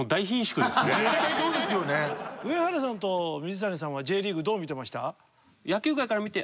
上原さんと水谷さんはＪリーグどう見てました？